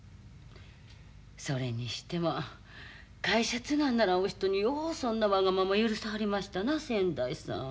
それにしても会社継がんならんお人にようそんなわがまま許しはりましたな先代さん。